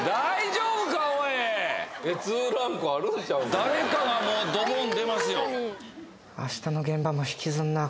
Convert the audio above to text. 誰かはもうドボン出ますよ